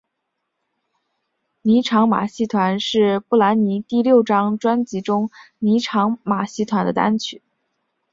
妮裳马戏团是布兰妮第六张专辑中妮裳马戏团的单曲。